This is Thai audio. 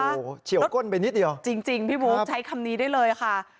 โอ้โหเฉียวก้นไปนิดเดียวจริงพี่บุ๊คใช้คำนี้ได้เลยค่ะ